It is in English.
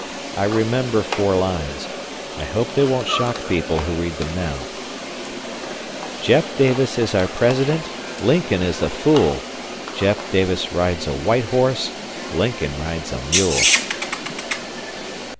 I remember four lines. I hope they won't shock people who read them now: "Jeff Davis is our President, Lincoln is a fool. Jeff Davis rides a white horse, Lincoln rides a mule."